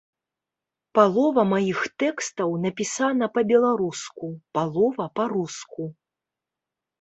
Палова маіх тэкстаў напісана па-беларуску, палова па-руску.